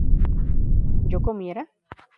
¿yo comiera?